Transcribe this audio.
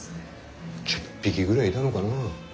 １０匹ぐらいいたのかな。